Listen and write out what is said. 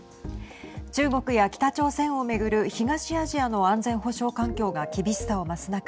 中国や北朝鮮を巡る東アジアの安全保障環境が厳しさを増す中